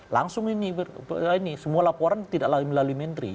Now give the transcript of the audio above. langsung ini semua laporan tidak melalui menteri